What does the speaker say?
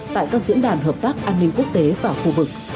tại các diễn đàn hợp tác an ninh quốc tế và khu vực